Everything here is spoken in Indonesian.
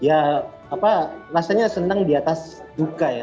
ya rasanya senang di atas buka ya